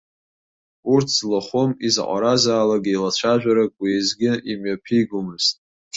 Урҭ злахәым изаҟаразаалак еилацәажәарак уеизгьы имҩаԥигомызт.